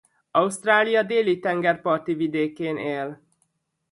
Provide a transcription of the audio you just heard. Ausztrália déli tengerparti vidékén él.